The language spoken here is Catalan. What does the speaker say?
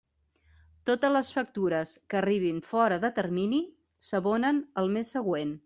Totes les factures que arribin fora de termini s'abonen el mes següent.